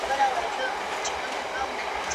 سياسي بحثونه دي د تاوتريخوالي پرته ترسره سي.